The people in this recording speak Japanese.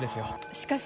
しかし。